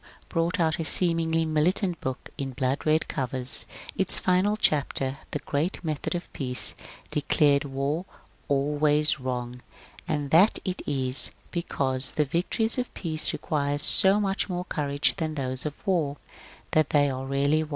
brought out a seemingly militant book in blood red covers, its final chapter, " The Great Method of Peace," declared War " always wrong," and that it is because ^^ the victories of Peace require so much more courage than those of War, that they are rarely won."